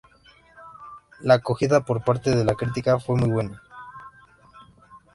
La acogida por parte de la crítica fue muy buena.